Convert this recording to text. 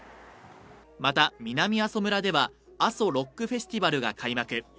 また、南阿蘇村では阿蘇ロックフェスティバルが開幕。